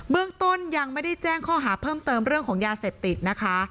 เรื่องต้นยังไม่ได้แจ้งข้อหาเพิ่มเติมเรื่องของยาเสพติดนะคะ